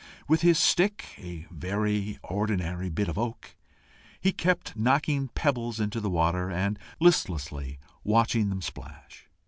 With his stick, a very ordinary bit of oak, he kept knocking pebbles into the water, and listlessly watching them splash.